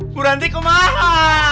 bu ranti kemahaa